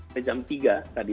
dari jam tiga tadi